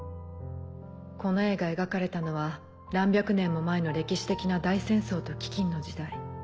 この絵が描かれたのは何百年も前の歴史的な大戦争と飢饉の時代。